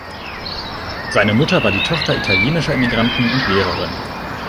Seine Mutter war die Tochter italienischer Immigranten und Lehrerin.